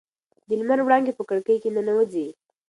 د لمر وړانګې په کړکۍ کې ننوځي.